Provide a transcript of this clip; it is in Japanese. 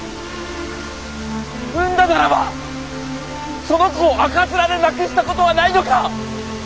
産んだならばその子を赤面で亡くしたことはないのか！